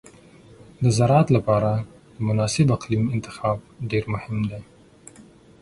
د زراعت لپاره مناسب اقلیم انتخاب ډېر مهم دی.